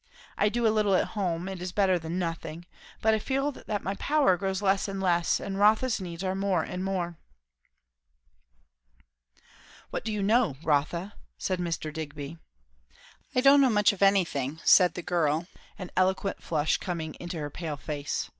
I do a little at home; it is better than nothing; but I feel that my power grows less and less; and Rotha's needs are more and more." "What do you know, Rotha?" said Mr. Digby. "I don't know much of anything!" said the girl, an eloquent flush coming into her pale face.